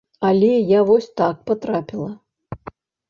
Але я вось так патрапіла.